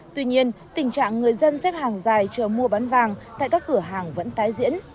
tuy nhiên tình trạng người dân xếp hàng dài chờ mua bán vàng tại các cửa hàng vẫn tái diễn